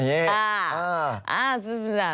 อย่างนี้